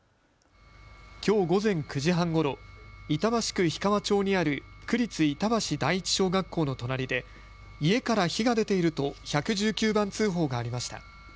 きょう午前９時半ごろ、板橋区氷川町にある区立板橋第一小学校の隣で家から火が出ていると１１９番通報がありました。